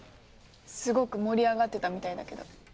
すごく盛り上がってたみたいだけど。